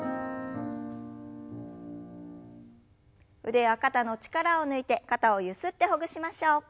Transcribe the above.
腕や肩の力を抜いて肩をゆすってほぐしましょう。